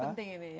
penting ini ya